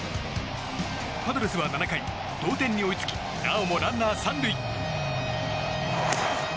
パドレスは７回、同点に追いつきなおもランナー３塁。